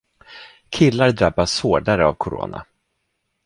Killar drabbas hårdare av Corona.